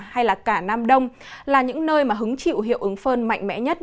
hay là cả nam đông là những nơi mà hứng chịu hiệu ứng phơn mạnh mẽ nhất